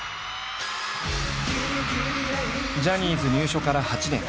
ジャニーズ入所から８年。